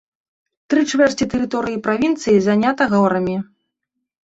Тры чвэрці тэрыторыі правінцыі занята горамі.